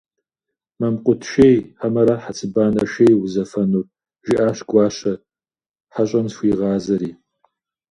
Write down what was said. «Мэмкъут шей, хьэмэрэ хьэцыбанэ шей узэфэнур?» - жиӏащ Гуащэ, хьэщӏэм зыхуигъазэри.